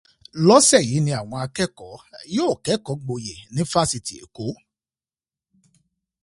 Lọ́sẹ̀ yìí ni àwọn akẹ́kọ̀ọ́ yóò kẹ́kọ̀ọ́ gboyè ní fásitì Èkó.